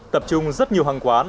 tập trung rất nhiều hàng quán